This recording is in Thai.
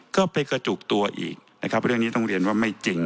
ก็ไปกระจุกตัวอีกนะครับเรื่องนี้ต้องเรียนว่าไม่จริง